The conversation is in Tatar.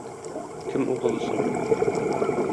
кем угылысың?